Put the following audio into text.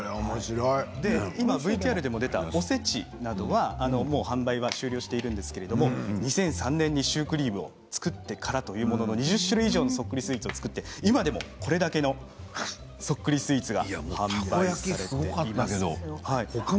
今ＶＴＲでも出たおせちなどはもう販売は終了しているんですけれども２００３年にシュークリームを作ってからというもの２０種類以上のそっくりスイーツを作って今でもこれだけのそっくりスイーツが販売されています。